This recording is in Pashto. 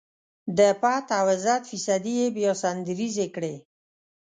د پت او عزت قصيدې يې بيا سندريزې کړې.